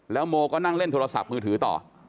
โมก็นั่งเล่นโทรศัพท์มือถือต่อ